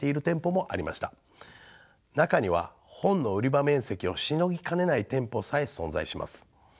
中には本の売り場面積をしのぎかねない店舗さえ存在します。